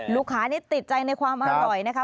ลูกค้านี่ติดใจในความอร่อยนะคะ